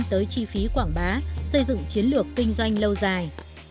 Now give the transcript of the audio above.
tới chi phí quảng bá xây dựng chiến lược kinh doanh lâu dài